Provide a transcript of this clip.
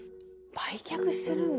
売却してるんだ。